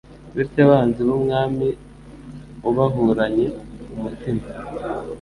bityo abanzi b’umwami ubahuranye umutima